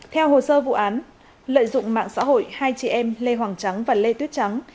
theo hồ sơ vụ án lợi dụng mạng xã hội hai chị em lê hoàng trắng và lê tuyết trắng